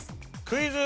クイズ。